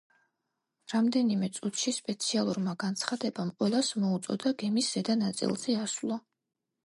რამდენიმე წუთში, სპეციალურმა განცხადებამ ყველას მოუწოდა გემის ზედა ნაწილზე ასვლა.